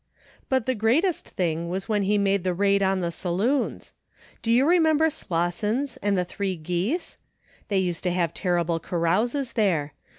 " But the greatest thing was when he made the raid on the saloons. You remember Slosson's and The Three Geese? They used to have terrible carouses there.